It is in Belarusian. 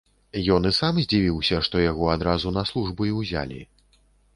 Ён і сам здзівіўся, што яго адразу на службу і ўзялі.